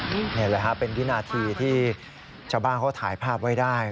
นี่แหละฮะเป็นวินาทีที่ชาวบ้านเขาถ่ายภาพไว้ได้